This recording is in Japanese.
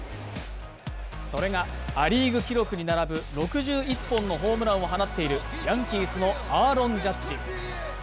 それが、ア・リーグ記録に並ぶ６１本のホームランを放っているヤンキースのアーロン・ジャッジ。